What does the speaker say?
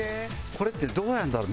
これってどうやるんだろう？